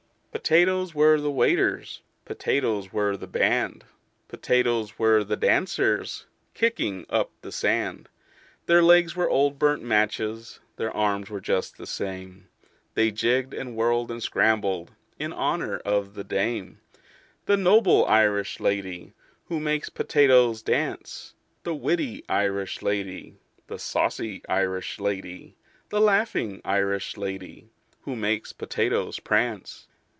"Potatoes were the waiters, Potatoes were the band, Potatoes were the dancers Kicking up the sand: Their legs were old burnt matches, Their arms were just the same, They jigged and whirled and scrambled In honor of the dame: The noble Irish lady Who makes potatoes dance, The witty Irish lady, The saucy Irish lady, The laughing Irish lady Who makes potatoes prance.